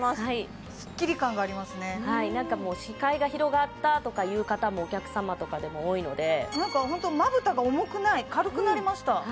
はいなんかもう視界が広がったとか言う方もお客様とかでも多いのでなんかホントまぶたが重くない軽くなりました